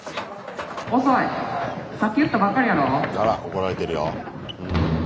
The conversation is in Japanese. あら怒られてるよ。